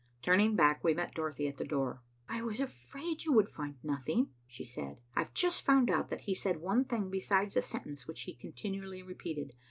Turning back, we met Dorothy at the door. "I was afraid you would find nothing," she said. "I've just found out that he said one thing beside the sentence which he continually repeated.